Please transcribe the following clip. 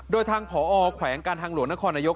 โดยทางผอแขวงการทางหลวงนครนายก